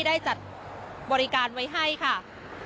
ได้จัดบริการไว้ให้ค่ะ